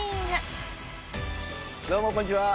どうも、こんにちは。